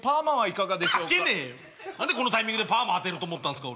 何でこのタイミングでパーマ当てると思ったんすか。